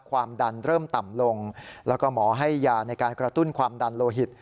ความดันเริ่มต่ำลงแล้วก็หมอให้ยาในการกระตุ้นความดันโลหิต